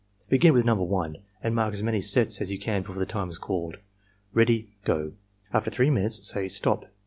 Begin with No. 1 and mark as many sets as you can before time is called. — Ready — Go!" After 3 minutes, say "STOP!